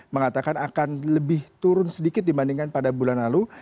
mengatakan akan lebih turun sedikit dibandingkan pada bulan lalu